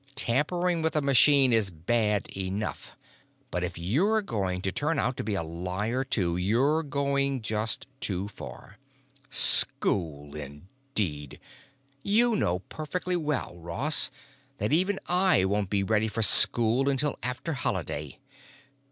"Tampering with a machine is bad enough, but if you're going to turn out to be a liar, too, you're going just too far! School, indeed! You know perfectly well, Ross, that even I won't be ready for school until after Holiday.